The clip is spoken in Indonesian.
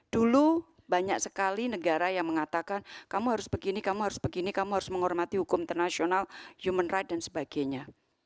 dulu banyak sekali negara yang mengatakan kamu harus begini kamu harus begini kamu harus menghormati hukum internasional human right dan sebagainya